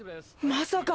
まさか。